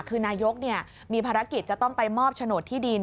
คือนายกมีภารกิจจะต้องไปมอบโฉนดที่ดิน